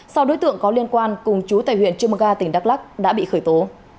sau đối tượng có liên quan cùng chú tài huyện chumaga tỉnh đắk lắc đã bị khởi tố